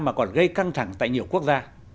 mà còn gây căng thẳng tại nhiều quốc gia